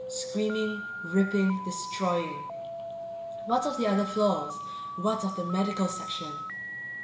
Screaming, ripping, destroying. What of the other floors? _What of the medical section?